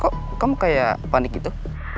kok kamu kayak panik gitu